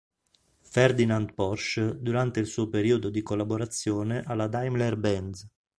Ferdinand Porsche durante il suo periodo di collaborazione alla Daimler-Benz.